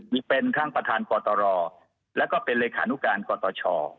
นี่เป็นทั้งประธานกตรแล้วก็เป็นเลขานุการกตช